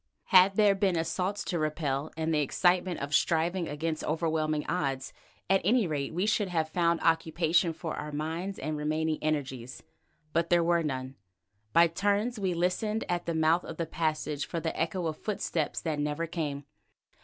Had there been assaults to repel and the excitement of striving against overwhelming odds, at any rate we should have found occupation for our minds and remaining energies. But there were none. By turns we listened at the mouth of the passage for the echo of footsteps that never came.